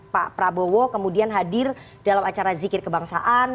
pak prabowo kemudian hadir dalam acara zikir kebangsaan